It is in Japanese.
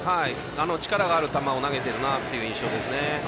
力はある球を投げているなという印象です。